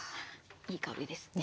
いい香りですね。